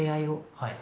はい。